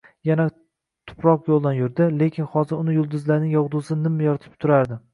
Yana tuproq yoʻldan yurdi, lekin hozir uni yulduzlarning yogʻdusi nim yoritib turardi